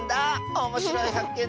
おもしろいはっけん